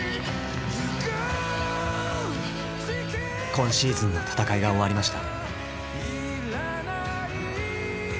今シーズンの戦いが終わりました。